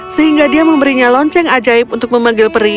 sehingga dia memberinya lonceng ajaib untuk memanggil peri